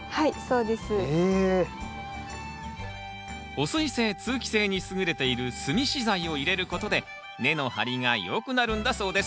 保水性通気性に優れている炭資材を入れることで根の張りが良くなるんだそうです。